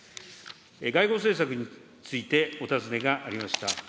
外交政策についてお尋ねがありました。